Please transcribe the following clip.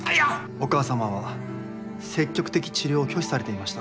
お母様は積極的治療を拒否されていました。